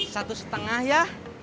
satu setengah ya